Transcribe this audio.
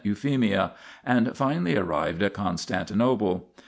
Euphemia, and finally arrived at Constantinople.